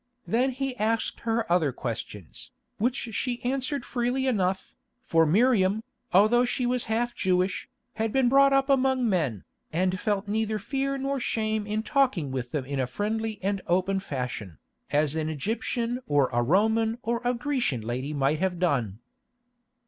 Then he asked her other questions, which she answered freely enough, for Miriam, although she was half Jewish, had been brought up among men, and felt neither fear nor shame in talking with them in a friendly and open fashion, as an Egyptian or a Roman or a Grecian lady might have done.